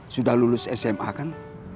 sudah lulus sma kan